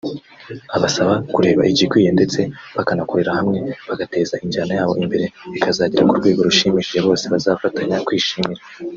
Abasaba kureba igikwiye ndetse bakanakorera hamwe bagateza injyana yabo imbere ikazagera ku rwego rushimishije bose bazafatanya kwishimira